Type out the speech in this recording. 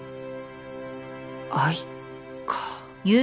愛か。